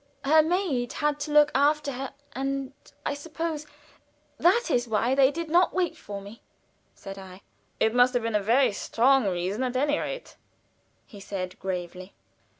Her maid had to look after her, and I suppose that is why they did not wait for me," said I. "It must have been a very strong reason, at any rate," he said, gravely.